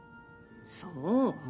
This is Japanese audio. そう？